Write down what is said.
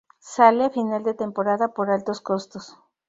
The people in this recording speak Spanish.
Sale a final de temporada por altos costos.